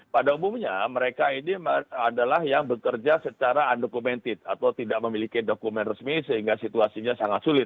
pada umumnya mereka ini adalah yang bekerja secara undocumented atau tidak memiliki dokumen resmi sehingga situasinya sangat sulit